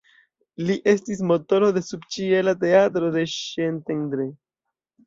Li estis motoro de subĉiela teatro de Szentendre.